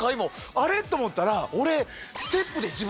「あれ？」と思ったら俺あ！